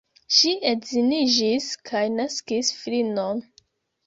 Ŝi edziniĝis kaj naskis filinon.